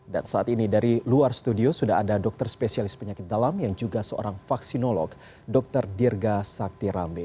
dan saat ini dari luar studio sudah ada dokter spesialis penyakit dalam yang juga seorang vaksinolog dr dirga sakti rambe